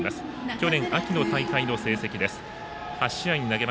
去年秋の大会の成績です。